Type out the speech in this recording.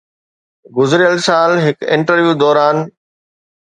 گذريل سال هڪ انٽرويو دوران